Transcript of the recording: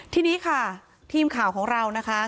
ทีนี้ค่ะทีมข่าวของเรานะคะ